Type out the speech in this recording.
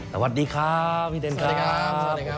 สวัสดีครับพี่เดนครับสวัสดีครับสวัสดีครับ